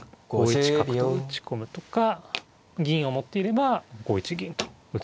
５一角と打ち込むとか銀を持っていれば５一銀と打つとか。